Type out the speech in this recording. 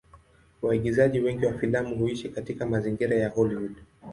Waigizaji wengi wa filamu huishi katika mazingira ya Hollywood.